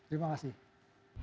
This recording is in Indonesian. terima kasih pak